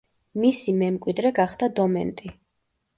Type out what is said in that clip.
მისი მემკვიდრე გახდა დომენტი.